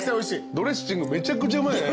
ドレッシングめちゃくちゃうまいね。